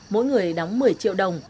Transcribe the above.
mỗi người đóng một mươi triệu đồng